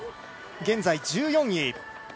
現在１４位。